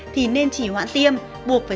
thì nên chỉ hoãn tiêm buộc phải